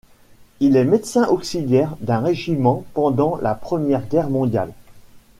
Il est médecin auxiliaire d'un régiment pendant la Première Guerre mondiale.